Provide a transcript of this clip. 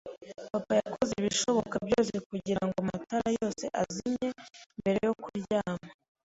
Papa yakoze ibishoboka byose kugirango amatara yose azimye mbere yo kuryama.